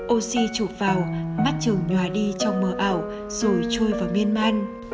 oxy trụt vào mắt trường nhòa đi trong mờ ảo rồi trôi vào miên man